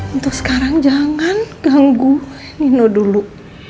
untuk sekarang jangan ganggu nino dulu